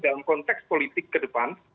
dalam konteks politik kedepan